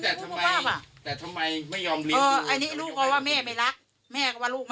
อันนี้ลูกก็ว่าแม่ไม่รักแม่ก็ว่าลูกไม่รักเป็นปม